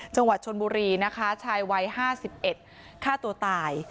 จังหวัดชลบุรีค่าตัวตายชายวัย๕๑